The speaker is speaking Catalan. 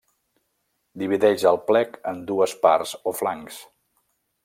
Divideix el plec en dues parts o flancs.